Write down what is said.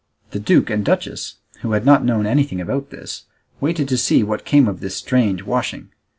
The duke and duchess, who had not known anything about this, waited to see what came of this strange washing.